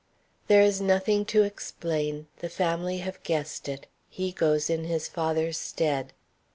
There is nothing to explain, the family have guessed it; he goes in his father's stead.